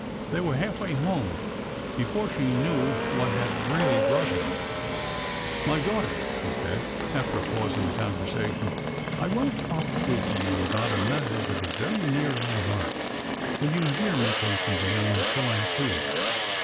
They were half way home before she knew what had really brought him. '' My daughter,'' he said, after a pause in the conversa tion, 1 want to talk with you about a matter that is very near my heart. Will you hear me patiently until I am through